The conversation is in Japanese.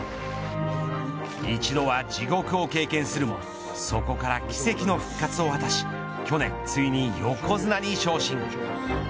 一度は地獄を経験するもそこから奇跡の復活を果たし去年ついに横綱に昇進。